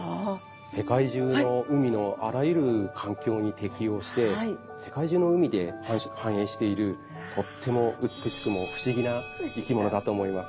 世界中の海のあらゆる環境に適応して世界中の海で繁栄しているとっても美しくも不思議な生き物だと思います。